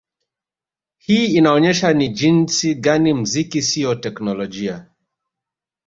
Hii inaonyesha ni jinsi gani mziki siyo teknolojia